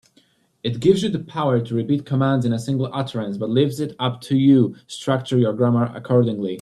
It gives you the power to repeat commands in a single utterance, but leaves it up to you structure your grammar accordingly.